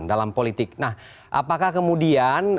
dalam politik nah apakah kemudian